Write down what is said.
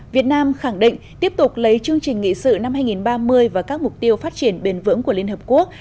việt nam khẳng định tiếp tục lấy chương trình nghị sự năm hai nghìn ba mươi và các mục tiêu phát triển bền vững của liên hợp quốc